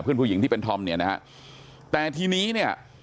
เพื่อนผู้หญิงที่เป็นธอมเนี่ยนะฮะแต่ทีนี้เนี่ย